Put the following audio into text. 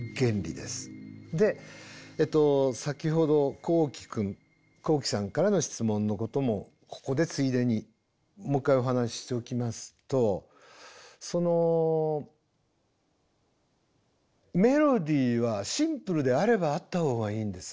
で先ほどこうきくんこうきさんからの質問のこともここでついでにもう一回お話ししときますとそのメロディーはシンプルであればあったほうがいいんです。